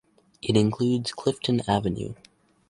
It includes Clifton Avenue.